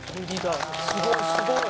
すごいすごい！